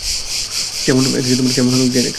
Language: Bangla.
কেমন গেল মিটিং?